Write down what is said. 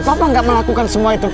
papa gak melakukan semua itu